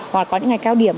hoặc có những ngày cao điểm